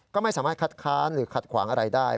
ก็ไม่สามารถคัดค้านหรือขัดขวางอะไรได้